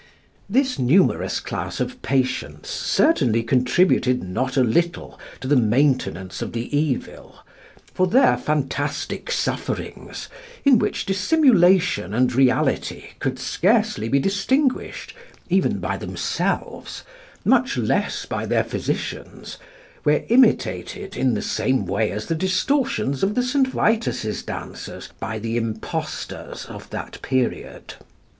This numerous class of patients certainly contributed not a little to the maintenance of the evil, for their fantastic sufferings, in which dissimulation and reality could scarcely be distinguished even by themselves, much less by their physicians, were imitated in the same way as the distortions of the St. Vitus's dancers by the impostors of that period.